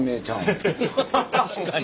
確かに。